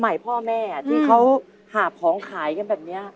พ่อแม่ที่เขาหาของขายกันแบบนี้